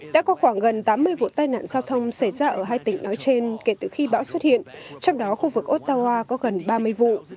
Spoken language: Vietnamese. đã có khoảng gần tám mươi vụ tai nạn giao thông xảy ra ở hai tỉnh nói trên kể từ khi bão xuất hiện trong đó khu vực ottawa có gần ba mươi vụ